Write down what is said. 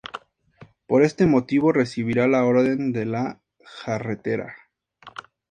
Por este motivo recibirá la Orden de la Jarretera.